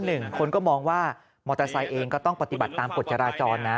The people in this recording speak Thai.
หนึ่งคนก็มองว่ามอเตอร์ไซค์เองก็ต้องปฏิบัติตามกฎจราจรนะ